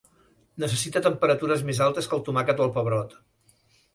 Necessita temperatures més altes que el tomàquet o el pebrot.